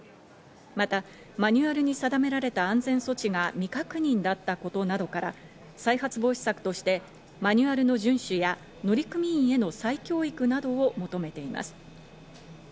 またマニュアルに定められた安全措置が未確認だったことなどから再発防止策としてマニュアルの順守や乗組員への再教育などを求めています。